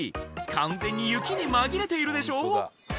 完全に雪に紛れているでしょ？